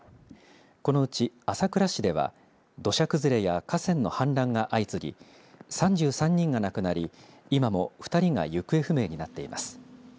このうち、朝倉市では土砂崩れや河川の氾濫が相次ぎ３３人が亡くなり今も２人が行方不明になっています。